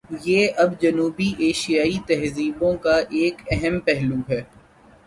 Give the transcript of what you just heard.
یہ اب جنوبی ایشیائی تہذیبوں کا ایک اہم پہلو ہے۔